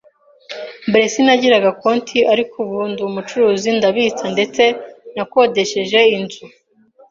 Mbere sinagiraga konti, ariko ubu ndi umucuruzi, ndabitsa ndetse nakodesheje inzu